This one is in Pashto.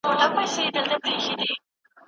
ابلیس پښې دي درنه وړې، څنګه تله به کوې